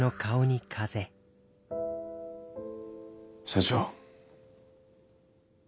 社長。